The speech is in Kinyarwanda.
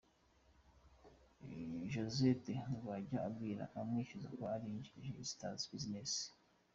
Josette ngo ajya abwira abamwishyuza ko ari injiji zitazi business